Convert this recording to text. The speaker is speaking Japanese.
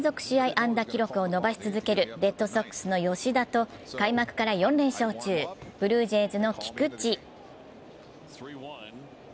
安打記録を伸ばし続けるレッドソックスの吉田と開幕から４連勝中、ブルージェイズの菊池。